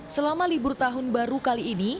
selama libur tahun baru kali ini